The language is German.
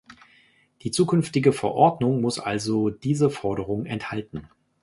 Die zukünftige Verordnung muss also diese Forderung enthalten.